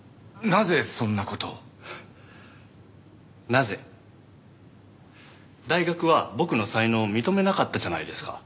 なぜ？大学は僕の才能を認めなかったじゃないですか。